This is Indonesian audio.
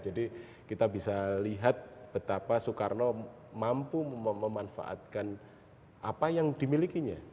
jadi kita bisa lihat betapa soekarno mampu memanfaatkan apa yang dimilikinya